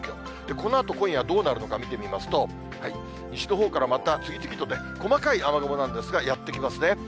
このあと今夜どうなるのか、見てみますと、西の方からまた次々と細かい雨雲なんですが、やって来ますね。